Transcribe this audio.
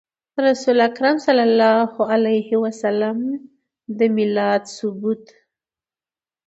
د رسول اکرم صلی الله عليه وسلم د ميلاد ثبوت